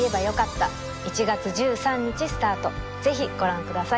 ぜひご覧ください